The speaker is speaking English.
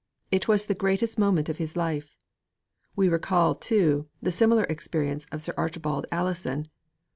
It was the greatest moment of his life. We recall, too, the similar experience of Sir Archibald Alison.